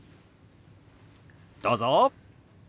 どうぞ！